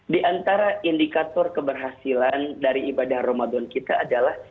di antara indikator keberhasilan dari ibadah ramadan kita adalah